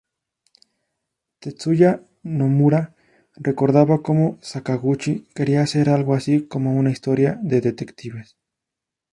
Tetsuya Nomura recordaba como Sakaguchi "quería hacer algo así como una historia de detectives.